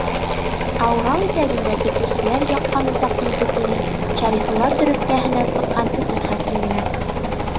Ә Урал итәгендә көтөүселәр яҡҡан усаҡтың төтөнө Шәрифулла төрөпкәһенән сыҡҡан төтөн хәтле генә.